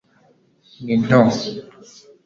ni nto